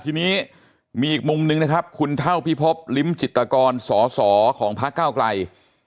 ทีนี้มีอีกมุมนึงนะครับคุณเท่าพิพบลิ้มจิตกรสอสอของพระเก้าไกล